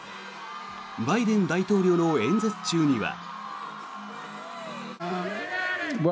バイデン大統領の演説中には。